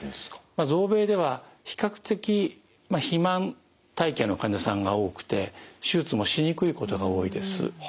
まず欧米では比較的肥満体型の患者さんが多くて手術もしにくいことが多いです。